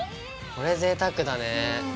これぜいたくだね。